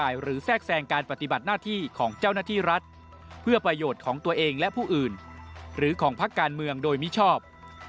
ให้หรือแทรกแทรกแสงการปฏิบัติหน้าที่ของเจ้าหน้าที่รัฐ